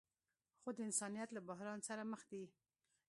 خو د انسانیت له بحران سره مخ دي.